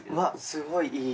すごいいい！